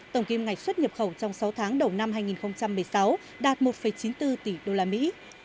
tổng kim ngạch xuất nhập khẩu trong sáu tháng đầu năm hai nghìn một mươi sáu đạt một chín mươi bốn tỷ đô la mỹ